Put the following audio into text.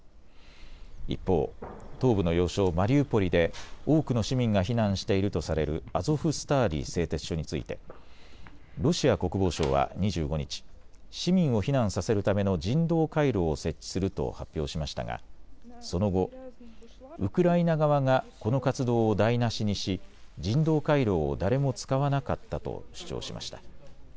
一方、東部の要衝マリウポリで多くの市民が避難しているとされるアゾフスターリ製鉄所についてロシア国防省は２５日、市民を避難させるための人道回廊を設置すると発表しましたがその後、ウクライナ側がこの活動を台なしにし、人道回廊を誰も使わなかったと主張しました。